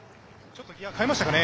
ちょっとギア替えましたかね。